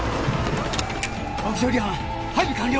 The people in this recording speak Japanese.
爆処理班配備完了！